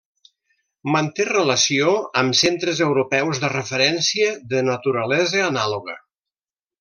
Manté relació amb centres europeus de referència de naturalesa anàloga.